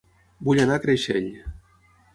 Vull anar a Creixell